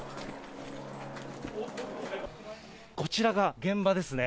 こちらが現場ですね。